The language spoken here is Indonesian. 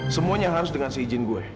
semuanya harus dengan seizin gue